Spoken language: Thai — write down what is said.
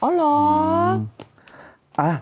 อ๋อเหรอ